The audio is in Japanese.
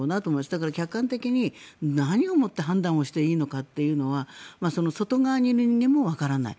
だから客観的に、何をもって判断していいのかというのは外側にいる人間もわからない。